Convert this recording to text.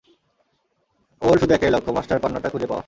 ওর শুধু একটাই লক্ষ্য, মাস্টার পান্নাটা খুঁজে পাওয়া।